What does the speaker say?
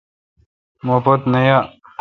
مو پت نہ یا۔